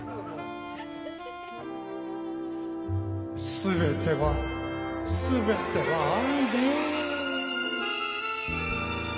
全ては、全ては愛ね。